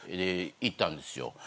行ったんですよ。